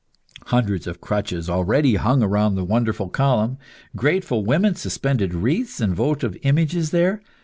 Hundreds of crutches already hung round the wonderful column; grateful women suspended wreaths and votive images there.